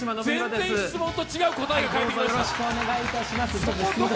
全然質問と違う答えが返ってきました。